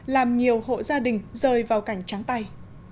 làm nhiều hộ gia đình rơi vào cảnh trắng tay